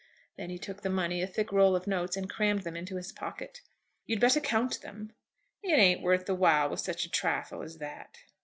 Then he took the money, a thick roll of notes, and crammed them into his pocket. "You'd better count them." "It ain't worth the while with such a trifle as that."